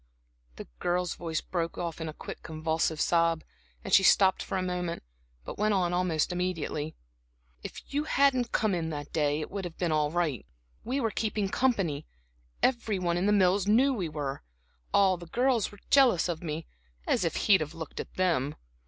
The girl's voice broke in a quick, convulsive sob, and she stopped for a moment, but went on almost immediately: "If you hadn't come in that day, it would have been all right. We were keeping company; every one in The Mills knew we were. All the girls were jealous of me as if he'd have looked at them!